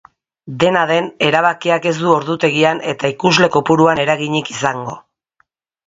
Dena den, erabakiak ez du ordutegian eta ikusle kopuruan eraginik izango.